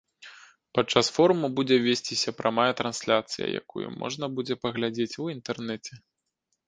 Падчас форуму будзе весціся прамая трансляцыя, якую можна будзе паглядзець у інтэрнэце.